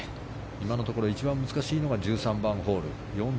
今のところ一番難しいのが１３番ホール。